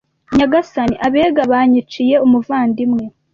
“Nyagasani, Abega banyiciye umuvandimwe,